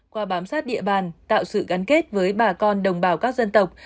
qua bám sát địa bàn tạo sự gắn kết với bà con đồng bào các dân tộc